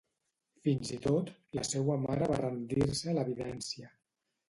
Fins i tot, la seua mare va rendir-se a l'evidència.